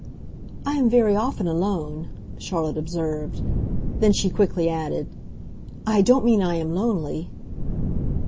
"I am very often alone," Charlotte observed. Then she quickly added, "I don't mean I am lonely!"